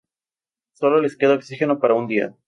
Sólo les queda oxígeno para un día.